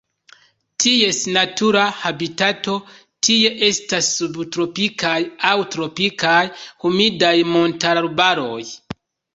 Ties natura habitato tie estas subtropikaj aŭ tropikaj humidaj montararbaroj.